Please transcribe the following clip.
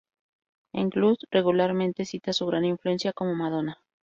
Englund regularmente cita su gran influencia como Madonna.